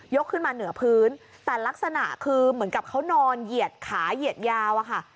ขึ้นมาเหนือพื้นแต่ลักษณะคือเหมือนกับเขานอนเหยียดขาเหยียดยาวอะค่ะ